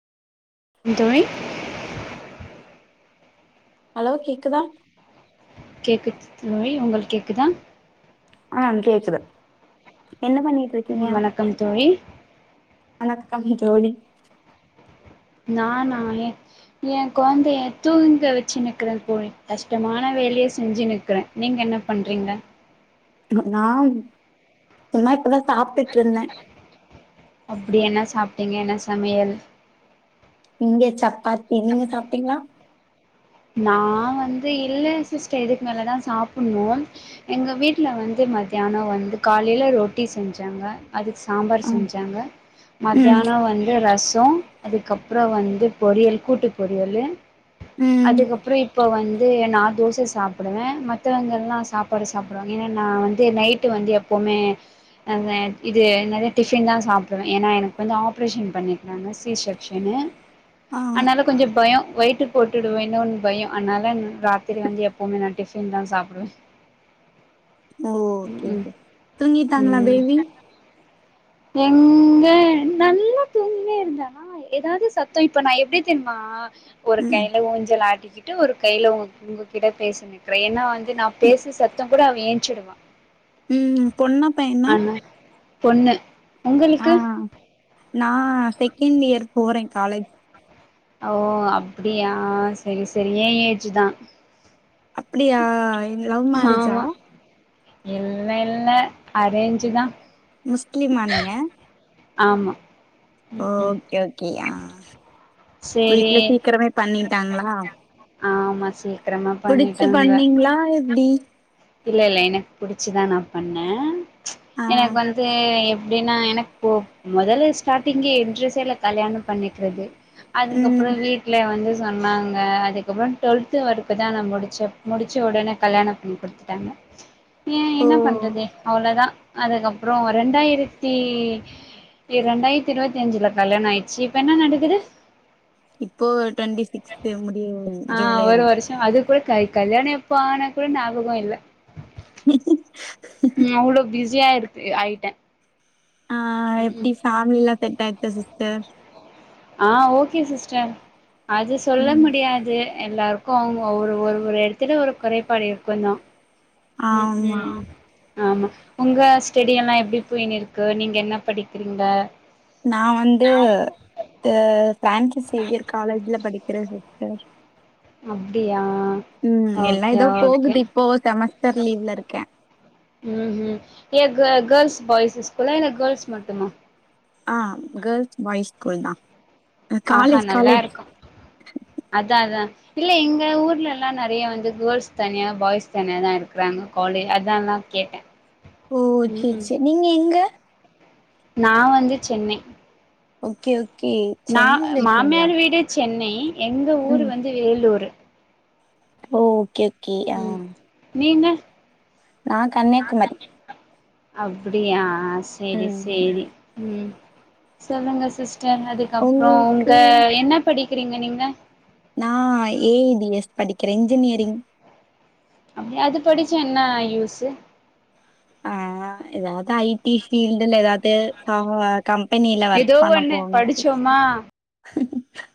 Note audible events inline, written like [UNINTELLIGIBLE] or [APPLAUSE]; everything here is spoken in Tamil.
இந் தோழி ஹலோ கேக்குதா கேக்குது தோழி உங்கள் கேக்குதா ஆ கேக்குது என்ன பண்ணிட்டு இருக்கீங்க? வணக்கம் தோழி வணக்கம் தோழி நானா ஏ என் கொழந்தைய தூங்க வெச்சுன்னுக்கற தோழி கஷ்டமான வேலைய செஞ்சுன்னுக்கிற நீங்க என்ன பண்றீங்க? நா சும்மா இப்பதான் சாப்ட்டுட்டு இருந்தன் அப்டி என்ன சாப்ட்டீங்க என்ன சமையல்? இங்க சப்பாத்தி நீங்க சாப்ட்டீங்ளா நா வந்து இல்ல சிஸ்டர் இதுக்கு மேலதா சாப்பணு எங்க வீட்ல வந்து மத்தியானோ வந்து காலைல ரொட்டி செஞ்சாங்க அதுக்கு சாம்பார் ஆ செஞ்சாங்க ம் மத்தியானோ வந்து ரசோ அதுக்கப்றோ வந்து பொரியல் கூட்டு பொரியலு ம் அதுக்கப்றோ இப்ப வந்து நா தோச சாப்டுவே மத்தவங்கெல்லா சாப்பாடு சாப்டுவாங்க ஏனா நா வந்து நைட்டு வந்து எப்போமே அதா இது என்னது டிஃபின் தா சாப்டுவே ஏனா எனக் வந்து ஆப்ரேஷன் பண்ணிர்க்காங்க சீஸெக்க்ஷன்னு ஆ ஆனால கொஞ்ச பயோ வெயிட்டு போட்டு றுவேணுன்னு ஒரு பயோ அதனால ராத்திரி வந்து எப்போமே நா டிஃபின் தா சாப்புடுவே ஓகே ம் தூங்கிடாங்ளா ம் பேபி எங்க நல்லா தூங்கினே இருந்தா ஏதாது சத்தோ இப்ப நா எப்டி தெர்மா ஒரு ம் கைய்ல ஊஞ்சல் ஆட்டிக்கிட்டு ஒரு கைய்ல உங்க உங்ககிட்ட பேசிட்டிருகே ஏனா வ நா பேச சத்த கூட அவ ஏன்ச்சுடுவா ம் பொண்ணா பையனா ஆமா பொண்ணு உங்களுக்கு ஆ நா செகண்ட் இயர் போறே காலேஜ் ஓ அப்டியா சேரி சேரி ஏ ஏஜ் தா அப்டியா லவ் மேரேஜா ஆமா இல்ல இல்ல அரேஞ்சு தா முஸ்லிமா நீங்க ஆமா ம் ம் ஓகே ஓகே யா சரி வீட்ல சீக்கிரமே பண்ணிட்டாங்களா ஆமா சீக்கிரமா புடிச்சு பண்ணிட்டாங்க பண்ணீங்களா எப்டி இல்ல இல்ல எனக் புடிச்சிதா நா பண்ணே ஆ எனக்கு வந்து எப்டின்னா எனக்கு இ முதல்ல ஸ்டார்டிங்கே இன்ட்ரஷ்டெ இல்ல கல்யாணம் பண்ணிக்றது அதுக்கப்ற ம் வீட்ல வந்து சொன்னாங்க அதுக்கப்ற டுவெல்து வரைக்கு தா நா முடிச்ச முடிச்ச உடனே கல்யாண பண்ணி கொடுத்துட் டாங்க ஏ ஓ என்ன பண்றது அவ்ளோதா அதுக்கப்றோ ரெண்டாயிரத்தி இரண்டாயிரத்தி இருபத்தஞ்சுல கல்யாண ஆயிச்சு இப்ப என்ன நடக்குது இப்போ டுவெண்டி சிக்ஸ்த் முடி [UNINTELLIGIBLE] ஆ ஜூலை ஒரு வந்து வருஷோ அது கூட க கல்யாண எப்ப ஆன கூட ஞாபக இல்ல [UNINTELLIGIBLE] உம் அவ்ளோ பிஸியா இருக்கு ஆயிட்டே ஆ ம் எப்டி ஃபேமிலில்லா செட் ஆய்ச்சா சிஸ்டர் ஆ ஓகே சிஸ்டர் அது சொல்ல ம் முடியாது எல்லோருக்கு அவங்க ஒரு ஒரு ஒரு இடத்துல ஒரு குறைபாடு இருக்குந்தா ஆமா ம்ம் ஆமா உங்க ஸ்டடியெல்லா எப்டி போய்னு இருக்கு நீங்க எப்டி படிக்கிறீங்க நா வந்து ஃபிரான்சிஸ் சேவியர் காலேஜ்ல படிக்றே சிஸ்டர் அப்டியா ம் எல்லா ஓகே ஏதோ ஓகே போகுது இப்போ செமஸ்டர் லீவ்ல இருக்கே ம் ம் ஏ கேர்ள்ஸ் பாய்ஸ் ஸ்கூலா இல்ல கேர்ள்ஸ் மட்டுமா ஆ கேள்ஸ் பாய்ஸ் ஸ்கூல் தா ஆஹா காலேஜ் காலேஜ் நல்லாருக்கு அதா அதா இல்ல எங்க ஊர்ல எல்லா நெறைய வந்து கேர்ள்ஸ் தனியா பாய்ஸ் தனியா தா இருக்கறாங்க காலே அதல்லா கேட்டே ஓ ம் செர் ம் செர் நீங்க எங்க நா வந்து சென்னை ஓகே ஓகே ந சென்னைல இருக்கீங்களா மாமியார் வீடு சென்னை எங்க ஊரு ம் வந்து வேலூரு ஓ ஓகே ஓகே ஆ ம் நீங்க நா கன்னியாகுமரி அப்டியா செரி ம் செரி ம் சொல்லுங்க சிஸ்டர் அது க்கப்றோ உங்க உங்களுக்கு என்ன படிக்கிறீங்க நீங்க நா ஏ டி எஸ் படிக்கிற இன்ஜினியரிங் அப்டியா அது படிச்சா என்ன யூஸு ஆ ஏதாவது ஐ டி ஃபீல்டுல்ல ஏதாவது அ கம்பெனில ஒர்க் ஏதோ பண்ண ஒண்ணு போணு படிச்சோமா